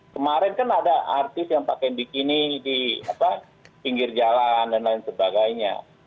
kemarin kan ada artis yang pakai bikini di pinggir jalan dan lain sebagainya